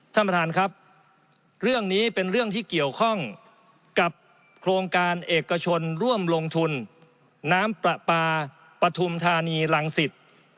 ท่านประธานครับเรื่องนี้เป็นเรื่องที่เกี่ยวข้องกับโครงการเอกชนร่วมลงทุนน้ำปลาปลาปฐุมธานีรังสิต